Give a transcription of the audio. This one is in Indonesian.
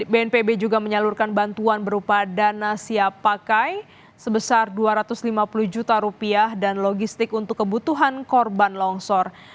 bnpb juga menyalurkan bantuan berupa dana siap pakai sebesar dua ratus lima puluh juta rupiah dan logistik untuk kebutuhan korban longsor